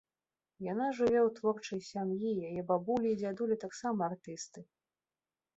Яна жыве ў творчай сям'і, яе бабулі і дзядулі таксама артысты.